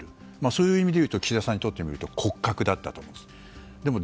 そういう意味で言うと岸田さんにとってみると骨格だったというわけです。